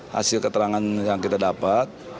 hasil keterangan yang kita dapat